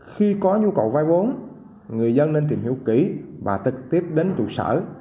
khi có nhu cầu vay vốn người dân nên tìm hiểu kỹ và tự tiếp đến trụ sở